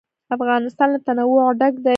افغانستان له تنوع ډک دی.